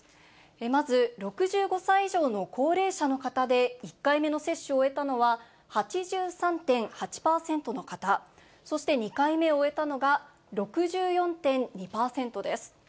まず６５歳以上の高齢者の方で１回目の接種を終えたのは８３．８％の方、そして２回目を終えたのが６４．２％です。